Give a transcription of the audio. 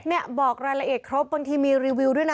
เนี่ยบอกรายละเอียดครบบางทีมีรีวิวด้วยนะ